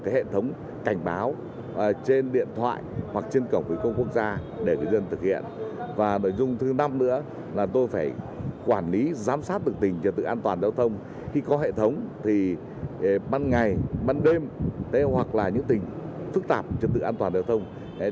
hệ thống camera đã phát hiện hàng ngàn trường hợp vi phạm giao thông